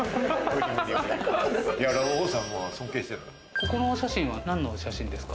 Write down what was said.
ここのお写真は何の写真ですか？